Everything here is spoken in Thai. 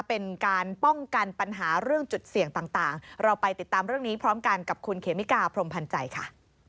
เป็นการป้องกันปัญหาเรื่องจุดเสี่ยงต่างเราไปติดตามเรื่องนี้พร้อมกันกับคุณเขมิกาพรมพันธ์ใจค่ะ